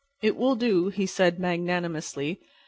"It will do," he said, magnanimously.